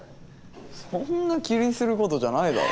そんな気にすることじゃないだろ。